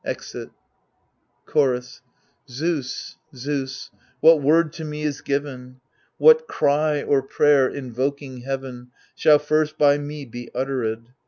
[Exit. Chorus Zeus, Zeus 1 what word to me is given ? What cry or prayer, invoking heaven. Shall first by me be utterM ?